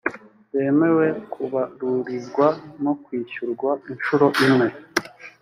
bemewe kubarurirwa no kwishyurwa inshuro imwe.